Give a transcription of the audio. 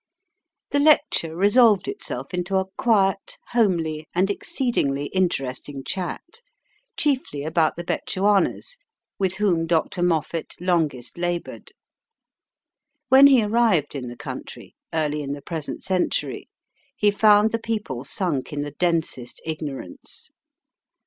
The lecture resolved itself into a quiet, homely, and exceedingly interesting chat, chiefly about the Betchuanas, with whom Dr. Moffat longest laboured. When he arrived in the country, early in the present century, he found the people sunk in the densest ignorance.